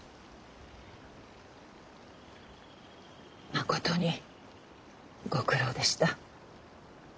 まことにご苦労でした。